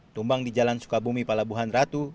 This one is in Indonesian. tumbang di jalan sukabumi palabuhan ratu